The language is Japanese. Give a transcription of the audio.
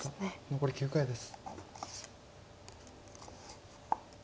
残り９回です。